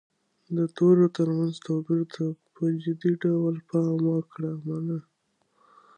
د تورو ترمنځ توپیر ته پام وکړه.